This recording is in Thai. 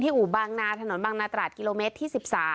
อู่บางนาถนนบางนาตราดกิโลเมตรที่๑๓